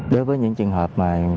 đối với những trường hợp